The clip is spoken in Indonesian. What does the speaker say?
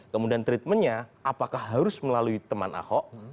kemudian treatmentnya apakah harus melalui teman ahok